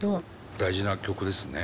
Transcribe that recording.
大事な曲ですね。